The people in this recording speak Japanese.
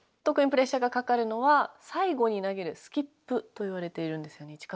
特にプレッシャーがかかるのは最後に投げるスキップと言われているんですよね。